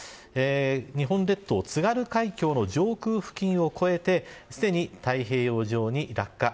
日本列島、津軽海峡の上空付近を越えてすでに太平洋上に落下。